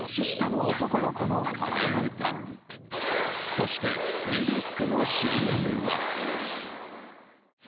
そしてニデックのＣＭは。